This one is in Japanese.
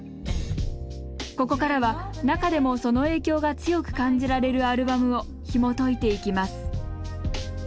ここからは中でもその影響が強く感じられるアルバムをひもといていきます